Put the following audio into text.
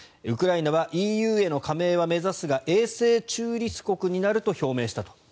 ウクライナはＥＵへの加盟は目指すが永世中立国になると表明したと。